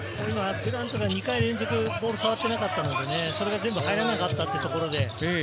デュラントが２回連続ボール触ってなかったのでね、それが全部入らなかったところで。